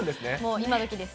今どきです。